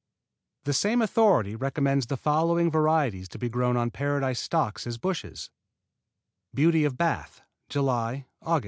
The same authority recommends the following varieties to be grown on Paradise stocks as bushes: Beauty of Bath July, Aug.